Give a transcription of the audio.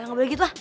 gak boleh gitu lah